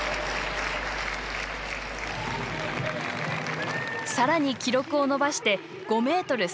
さらに記録を伸ばして５ｍ３８ｃｍ。